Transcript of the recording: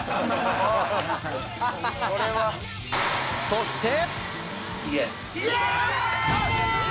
そして。